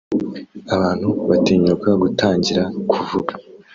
abantu batinyuka gutangira kuvuga